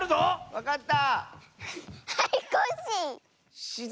わかった！